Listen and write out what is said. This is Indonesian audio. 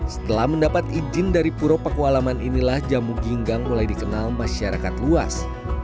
setelah mendapat izin dari pulau pakalaman inilah jamu ginggang mulai dikenal masyarakat luas